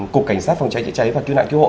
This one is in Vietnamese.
cục cảnh sát phòng cháy chữa cháy và cứu nạn cứu hộ